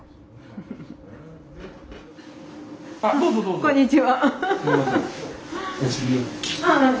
こんにちは。